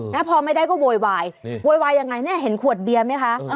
แล้วพอไม่ได้ก็โวยวายโวยวายยังไงเนี่ยเห็นขวดเบียร์ไหมคะ